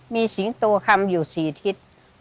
มีสิงตวคำอยู่สิทธิศ